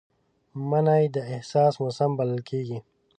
مني د احساس موسم بلل کېږي